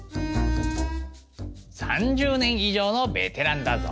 ３０年以上のベテランだぞ。